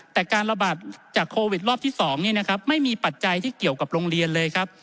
แต่การระบาดจากโควิดรอบที่๒ไม่มีปัจจัยที่เกี่ยวกับโรงเรียนเลยครับ